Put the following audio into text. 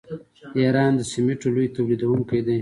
ایران د سمنټو لوی تولیدونکی دی.